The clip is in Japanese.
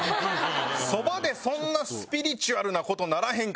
そばでそんなスピリチュアルな事ならへんからね。